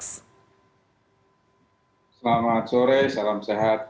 selamat sore salam sehat